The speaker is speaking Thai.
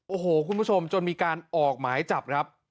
โอ้โหคุณผู้ชมจนมีการออกหมายจับครับ